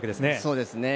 そうですね。